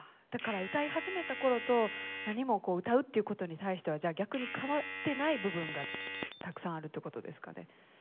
だから歌い始めた頃と何も歌うって事に対してはじゃあ逆に変わってない部分がたくさんあるって事ですかね。